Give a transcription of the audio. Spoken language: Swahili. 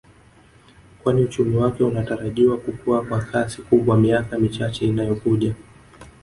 Kwani uchumi wake unatarajiwa kukua kwa kasi kubwa miaka michache inayo kuja